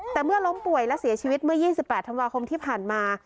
แต่เมื่อล้มป่วยและเสียชีวิตเมื่อ๒๘ธันวาคมที่ผ่านมา